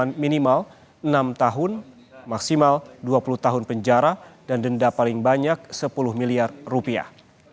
dengan minimal enam tahun maksimal dua puluh tahun penjara dan denda paling banyak sepuluh miliar rupiah